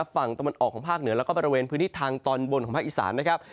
ฝั่งตะวันออกของภาคเหนือแล้วก็บริเวณพื้นที่ทางตอนบนของภาคอีสานนะครับ